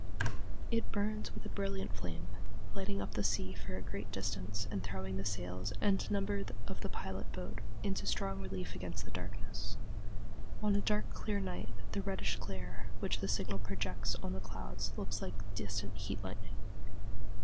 It burns with a brilliant flame, lighting up the sea for a great distance and throwing the sails and number of the pilot boat into strong relief against the darkness. On a dark clear night, the reddish glare which the signal projects on the clouds looks like distant heat lightning.